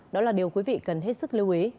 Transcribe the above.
đó là điều quý vị cần hết sức lưu ý